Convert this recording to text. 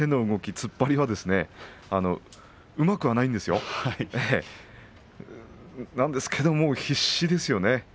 突っ張りはうまくないんですが必死ですよね。